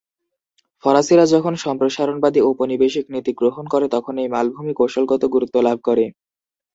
ফরাসিরা যখন সম্প্রসারণবাদী ঔপনিবেশিক নীতি গ্রহণ করে তখন এই মালভূমি কৌশলগত গুরুত্ব লাভ করে।